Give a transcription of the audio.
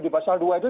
di pasal dua itu